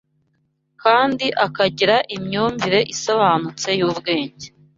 kandi akagira imyumvire isobanutse y’ubwenge